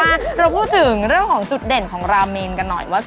อั้นะเราก็พูดถึงเรื่องจุดเด่นของโระแมนกันหน่อย